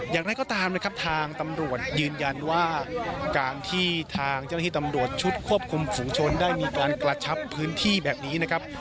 อย่างไรก็ตามนะครับทางตำรวจยืนยันว่าการที่ทางเจ้าหน้าที่ตำรวจชุดควบคุมฝุงชนได้มีการกระชับพื้นที่แบบนี้นะครับ